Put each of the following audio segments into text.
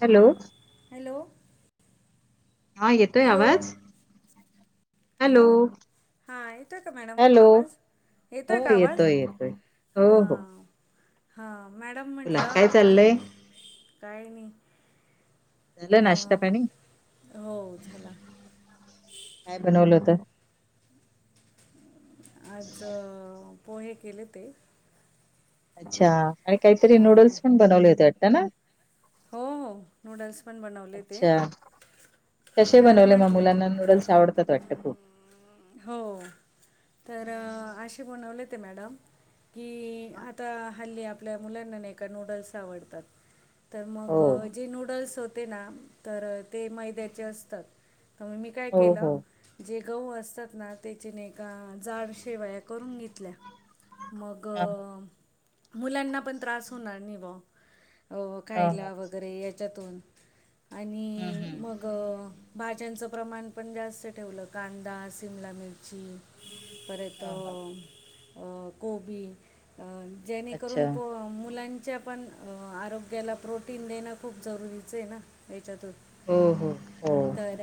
Hello hello हा येतोय hello आवाज. हॅलो हां येतो आहे का मॅडम हॅलो आवाज. हो येतोय का आवाज येतोय हो हो हा. हा मॅडम बोला म्हटलं काय आपण चाललंय काय नाही. झालं नाश्ता अं, पाणी हो झाला काय बनवलं होत? आज पोहे केले ते. अच्छा आणि काहीतरी हां नूडल्स पण बनवले येत वाटता ना? हो नूडल्स पण बनवले होते. अच्छा कसे बनवले मग मुलांना म्हटलं नूडल्स आवडतात वाटतं खूप. हो तर आशीे बनवले ते मॅडम. कि हा. आता हल्ली आपल्या मुलांना नाही का नूडल्स आवडतात. तर हो मग जे नूडल्स होते ना तर ते मैद्याचे असतात. तर म मी काय हो केलं हो जे गहू अस. जतना त्याच्याने एकका जाड शेवाया करून घेतल्या? मग ह ह मुलांना पण त्रास होणार नाही बा. ह खायला वगैरे याच्यातून हम्म आणि हम्म मग भाज्यांचं प्रमाण पण जास्त ठेवलं कांदा सिमला मिरची... पर त ह ह कोबी.... जेणेकरून अच्छा प मुलांच्या पण आरोग्याला प्रोटीन देणं खूप जरुरीच आहे ना? याच्यात होत हो हो हो तर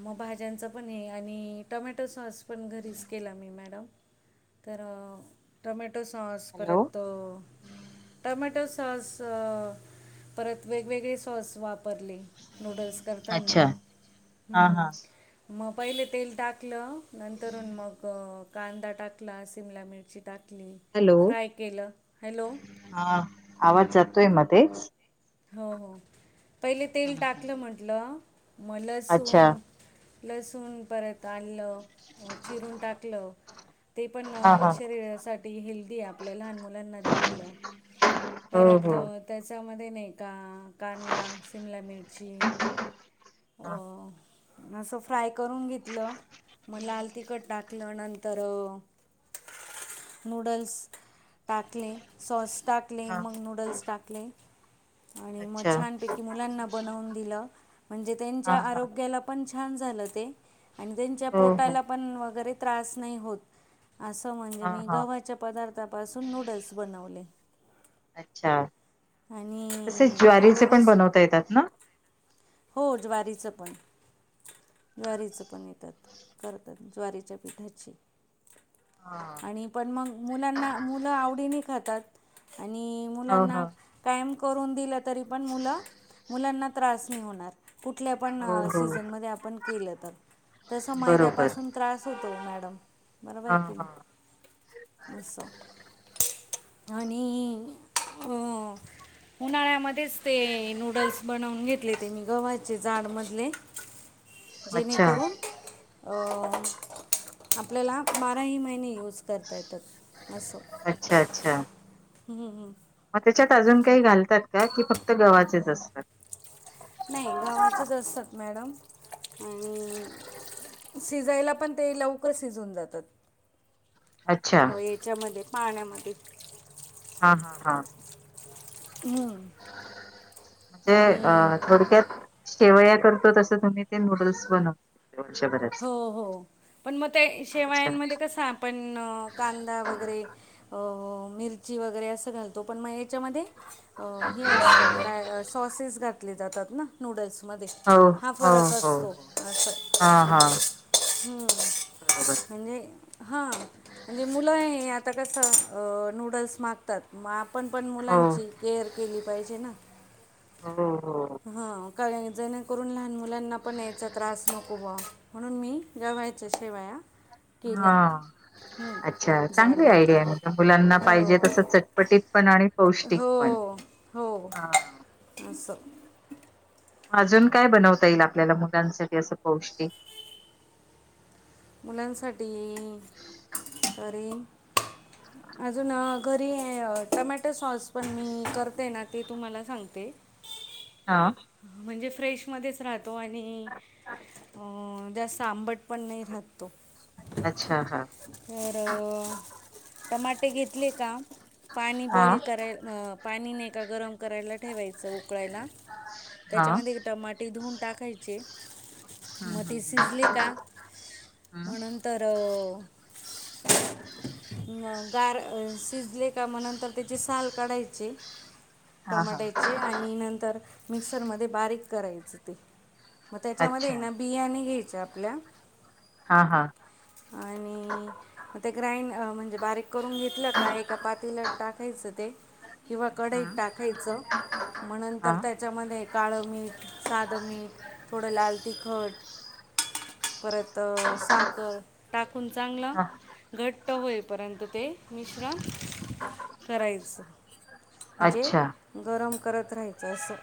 मग भाज्यांचं पण हे आणि.. टोमॅटो सॉस पण घरीच केला मी मॅडम तर टोमॅटो सॉस हॅलो परत तो टॉमॅटो सॉस परत वेगवेगळी सॉस वापरली नूडल्स अच्छा करताना हा ह हा मग, पहिले तेल टाक टाकलं नंतरून मग कांदा टाकला शिमला मिरची टाकली हॅलो फ्राय केलं हॅलो हा आवाज जातोय मध्ये च हो हो पहिले तेल टाकलं म्हटलं मग अच्छा लसूण लसूण परत आलं, चिरून टाकलं ते पण हा हा शरीरासाठी हेल्दी आपल्याला लहान मुलांना दिलेलं हो परत हो त्याच्यामध्ये नाही का कांदा, शिमला मिरची अ, हा असं फ्राय करून घेतलं मग लाल तिखट टाकलं नंतर नूडल्स टाकले सॉस टाक. हा मग मी नूडल्स टाकले आणि मग अच्छा छान पैकी मुलांना बनवून दिल म्हणजे हा त्यांच्या हा आरोग्याला पण छान झालं ते आणि त्यांच्या हो हो पोटाला पण, वगैरे त्रास नाही होत असं म्हणजे हा मी हा गव्हाचे पदार्थ आतापासून नूडल्स बनवले अच्छा आणि मग व्यवस्थित ते येतात ना हो ज्वारीचं पण ज्वारीचं पण येतात करतात ज्वारीच्या पिठाची हां. आणि पण मग मुलांना मुलं आवडीने खातात आणि हो हो मुलांना कायम करून दिलं तरी पण मुलं मुलांना त्रास नाही होणार कुठल्या पण हो हो सीझन मध्ये आपण केलं तर तसं बरोबर मैद्यापासून त्रास होतो मॅडम मला हा माहिती हा आहे असं आणि अ उन्हाळ्यामध्येच ते नूडल्स बनवून घेतलेत ते मी गव्हाचे जाडमधले अच्छा जेणेकरून अ आपल्याला बाराही महिने युज करता येतात असं, अच्छा अच्छा ह, ह मग त्याच्यात अजून काही घालतात का की फक्त गव्हाचेच असतात नाही गव्हाचेच असतात मॅडम हं शिजायला पण ते लवकर शिजून जातात अच्छा हो याच्यामध्ये पाण्यामध्ये हां हां हां हं म्हणजे अ थोडक्यात शेवया करतो तसं तुम्ही ते नूडल्स बनव वर्षभरात हो हो पण मग ते अच्छा शेवायांमध्ये कस आपण कांदा वगैरे अ मिरची वगैरे असं घालत तो पण मग याच्यामध्ये हे असतं काय सॉसेस घातले जातात ना नूडल्समध्ये हो हा हो हो फरक असतो हो अस. हा हा हम्म. बरोबर म्हणजे हां म्हणजे मुलं आहे आता कसं नूडल्स माग तात मग आपण पण हो मुलांची केअर केली पाहिजे ना. हो- हो. हा काही जणेकरून लहान मुलांना पण यायचा त्रास नको बा म्हणून मी गव्हाच्या शेवाया. हा. अच्छा चांगली आयडिया जाडमधले आहे म्हण मुलांना पाहिजे हो तसं चटपटीत पण आणि पौष्टिक पण. हो- हो हा असं. अजून काय बनवता येईल आपल्याला मुलांसाठी असं पौष्टिक? मुलांनसाठी तरी अजून घरी टमॅटो सॉस पण मी करते ना ते तुम्हाला सांगते. हां. म्हणजे फ्रेशमध्येच राहतो आणि अ जास्त आंबट पण नाही राहतो. अच्छा हा. तर टमाटे घेतले का पाणी हा बॉईल कराय पाणी नाही का गरम करायला ठेवायचं उकळायला [inaudible] त्याच्यामध्ये टमाटे धुऊून टाकायचे हम्म हम्म मती हम्म सिजले का हम्म म नंतर अ गार शिजले का म नंतर त्याची साल काढायचे हा हा टमाट्याचे आणि नंतर मिक्सरमध्ये बारीक करायचं ते मग त्याच्यामध्ये अच्छा ना बिया नाही घ्यायच्या आपल्या. हा- हा. आणि मग ते ग्राईंड म्हणजे बारीक करून घेत घेतलं का एक पाटील्यांत टाकायचं ते किंवा कडई टाक हम्म टाकायचं म हा नंतर त्याच्यामध्ये काळं मीठ, साधं मीठ, थोडं लाल तिखट परत साखर टाकून चांगलं हा घट घाट होई पर्यंत ते मिश्रण करायचं म्हणजे अच्छा गरम करत राहायचं असं.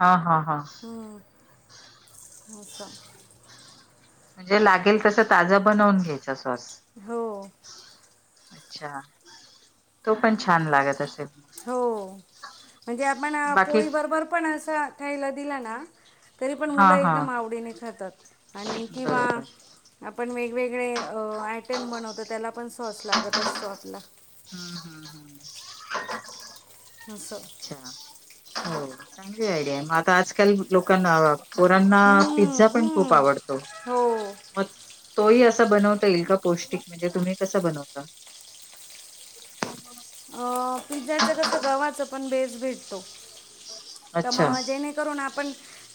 हा - हा -हा. हम्म अस. म्हणजे लागेल तसं ताजं बनवून घ्यायचा सॉस. हो. अच्छा तो पण छान लागत असेल? हो म्हणजे आपण बाकी पोळी बरोबर पण असं खायला दिला ना. तरी पण हा मुलं हा एकदम आवडीने खातात आणि किंवा बरोबर आपण वेगवेगळे आयटम बनवतो त्याला पण सॉस लागत असतो आपला. हम्म - हम्म- हम्म. असं. अच्छा. हो. चांगले आयडिया मग आता आजकाल लोकांना पोरांना हम्म, पिझ्झा पण खूप हम्म. आवडतो. हो [inaudible] मग तोही असा बनवता येईल का? पौष्टिक म्हणजे तुम्ही कस बनवता? [inaudible] अ पिझ्झाच कसं गव्हाच पण बेस भेटतो. अच्छा त्यामुळं जेने करून आपण,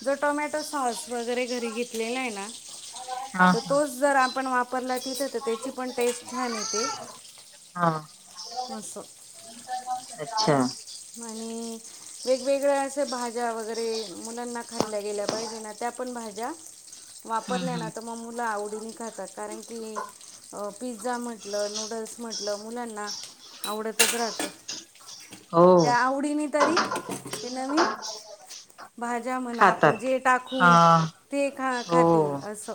जो टोमॅटो सॉस वगैरे घरी घेतलेला आहे ना हा तर तोच हा जर आपण वापरला तिथे, तर त्याची पण टेस्ट छान येते. हा. असं. [inaudible] अच्छा!. आणि वेगवेगळ्या असं भाज्या वगैरे मुलांना खाल्ल्या गेल्या पाहिजे ना, त्या पण भाज्या हम्म वापरल्या ना, हम्म तर मग मुलं आवडीने खातात कारण की अ पिझ्झा म्हटलं, नूडल्स म्हटलं मुलांना आवडतच राहत. हो त्या आवडीने तरी ते नवीन [inaudible] भाज्या म्हणा, आपण खातात. जे हा टाकू ते खा हो खातील असं.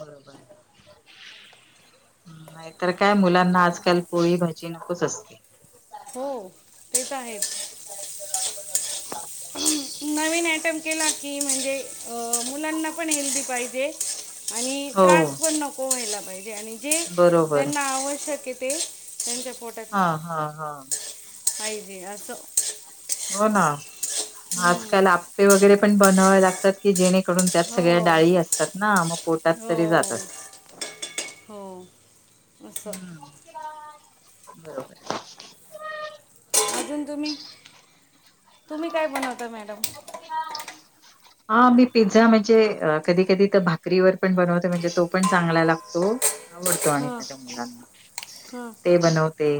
बरोबर. नाहीतर काय मुलांना आजकाल, पोळी भाजी नकोच असते. हो. ते तर आहेच. नवीन आयटम केला की, म्हणजे अ मुलांना पण हेल्दी पाहिजे. आणि हो त्रास पण नको व्हायला पाहिजे. आणि जे बरोबर त्यांना आवश्यक ते त्यांच्या पोटात हा हा. पाहिजे असं. हो ना हम्म. आजकाल आपे वगैरे पण बनवावे लागतात की, जेणे करून त्यात सगळ्या हो डाळी असतात ना, मग पोटात तरी हो जातात. हो [inaudible] अस. [unintelligible] बरोबर आहे. अजून तुम्ही. [inaudible] तुम्ही काय बनवता मॅडम? [inaudible] हा मी पिझ्झा म्हणजे, अ कधी, कधी तर भाकरीवर पण बनवते म्हणजे तो पण चांगला लागतो. आवडतो आणि हां माझ्या मुलांना हां [inaudible] ते बनवते.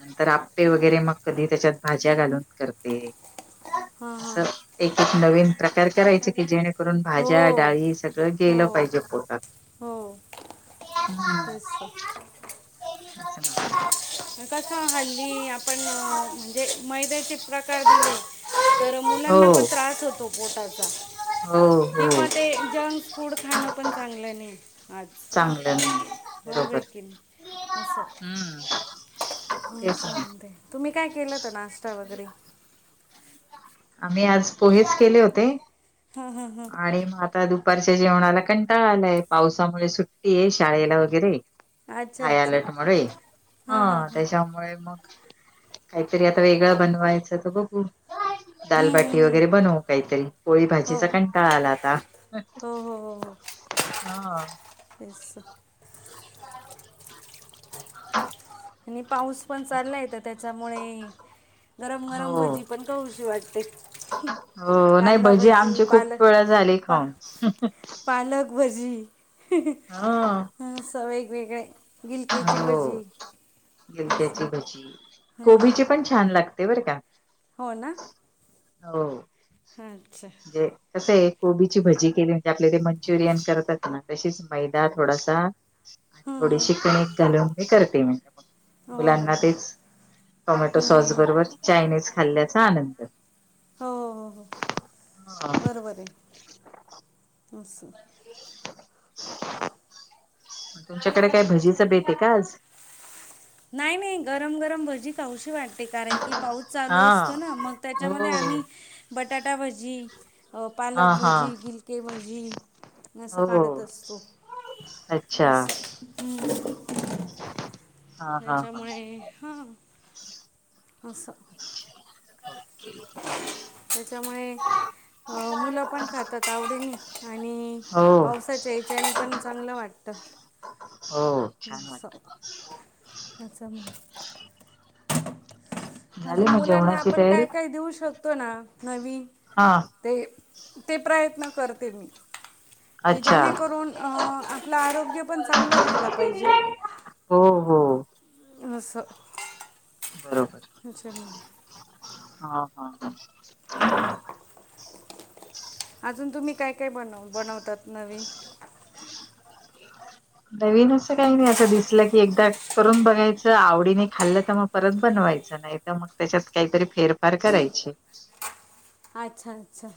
नंतर आपे वगैरे मग कधी, त्याच्यात भाज्या घालून करते. [unintelligible] हा हा. तर एक नवीन प्रकार करायचं, की जेणेकरून हो भाज्या डाळी सगळं हो गेलं पाहिजे पोटात. हो. तेच तर [unintelligible] कसं हल्ली आपण, म्हणजे मैद्याचे प्रकार दिले. तर मुलांना पण हो. त्रास होतो पोटाचा. हो किंवा हो ते जं- फूड खाणं पण चांगलं नाही. आज चांगलं नाही [inaudible] होय बरोबर भेटतील असं हम्म हो तेच ना सांगते. तुम्ही काय केलं होतं नाश्ता वगैरे? आम्ही आज पोहेच केले होते. हा हा हा. आणि मग आता दुपारच्या जेवणाला कंटाळा आलाय. पावसामुळे सुट्टी आहे, शाळेला वगैरे. हां अच्छा हाय अच्छा अलर्ट मुळे हा हां हां हां त्याच्यामुळे मग. काहीतरी आता वेगळं बनवायचं तर बघू. हम्म, दालबाटी हम्म, हम्म. वगैरे बनवू काहीतरी पोळी हो भाजीचा काय. हो ताला आता हा, पैस. आणि पाऊस पण चाललाय तर त्याच्यामुळे. गरम गरम हो भजी पण खाऊशी वाटते. हो नाही कांदा भजी आमची खूप पालक वेळा झाली पा खाऊन पालक. भजी. हा, ह अस वेगवेगळे्या गिलक्याची भजी. असं गिलक्याचे भजी हं. कोबीची पण छान लागते बरं का, हो ना, हो, ह अच्छा, म्हणजे कसं आहे कोबीची भजी केली म्हणजे आपले ते मंचुरियन करतात ना तशीच मैदा थोडासा. आणि हं, हं. थोडीशी कणिक घालून ते करते मी. हो हो मुलांना हो तेच टोमॅटो हं, हं, सॉस हं. बरोबर चायनीज खाल्ल्याचा आनंद. हो हो हो, हा बरोबर आहे असं. तुमच्याकडे काय भजीचं भेट आहे का आज. नाही मी गरम गरम भजी खाऊशी वाट ''--'' ते कारण की पाऊस चालू हा असतो ना मग त्याच्यामध्ये हो आम्ही बटाटा भजी. अ पालक हा हा भजी गिलके भजी. असं हो काढत असतो अच्छा अस हम, हा हा हा, हां असं, बर [inaudible] त्याच्यामुळे. अ मुलं पण खातात आवडीने आणि हो पावसात. त्याच्यानी पण चांगलं वाटतं. हो छान वाटत. असं म्हणजे. झाली अजून मग मुलांना जेवणाची आपण तयारी काय काय देऊ शकतो ना नवीन. हा, ते ते प्रयत्न करते मी. की अच्छा. जेणेकरून अ आपलं आरोग्य पण चांगलं रायला पाहिजे. हो हो, असं, बरोबर त्याच्यामुळे हा हा, हा अजून तुम्ही काय काय बनव बनवतात नवीन. [inaudible] नवीन असं काही नाही असं दिसलं की एकदा करून बघायचं आवडीने खाल्लं त म परत बनवायचं नाय. त मग त्याच्यात काहीतरी फेरफार करायची. आच्छा आच्छा,